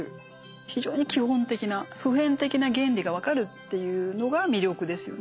非常に基本的な普遍的な原理が分かるっていうのが魅力ですよね